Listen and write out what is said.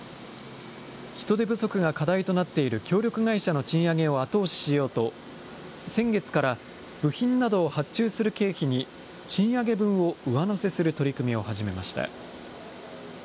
人手不足が課題となっている協力会社の賃上げを後押ししようと、先月から、部品などを発注する経費に賃上げ分を上乗せする取り組みを始めました。